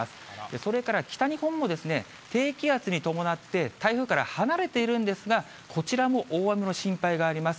それから北日本も低気圧に伴って、台風から離れているんですが、こちらも大雨の心配があります。